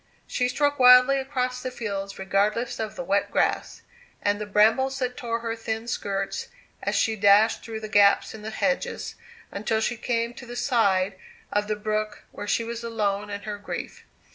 She struck wildly across the fields, regardless of the wet grass, and the brambles that tore her thin skirts as she dashed through the gaps in the hedges, until she came to the side of the brook, where she was alone in her grief.